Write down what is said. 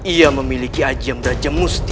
iya memiliki ajian berajem musti